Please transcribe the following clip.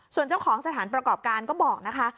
ส่วนเจ้าของสถานประกอบการก็บอกนะคะ